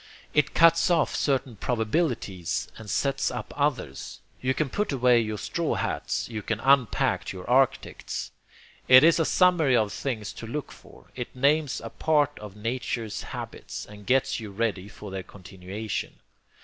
It cuts off certain probabilities and sets up others: you can put away your straw hats; you can unpack your arctics. It is a summary of things to look for. It names a part of nature's habits, and gets you ready for their continuation.